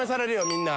みんな。